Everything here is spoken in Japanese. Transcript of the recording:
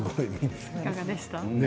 いかがでした？